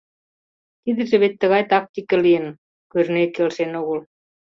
— Тидыже вет тыгай тактике лийын, — Кӧрнеи келшен огыл.